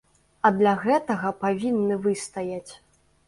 А для гэтага павінны выстаяць.